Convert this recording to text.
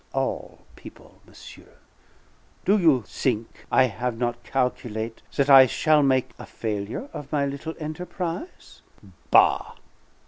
"All people, monsieur. Do you think I have not calculate', that I shall make a failure of my little enterprise?" "Bah!"